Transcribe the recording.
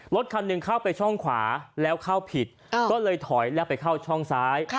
รถคันหนึ่งเข้าไปช่องขวาแล้วเข้าผิดก็เลยถอยแล้วไปเข้าช่องซ้าย